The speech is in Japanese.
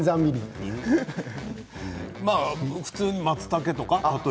普通にまつたけとか？